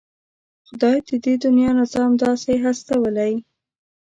خدای د دې دنيا نظام داسې هستولی.